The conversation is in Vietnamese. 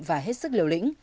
và hết sức liều lĩnh